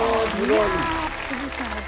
いやあ次からだ。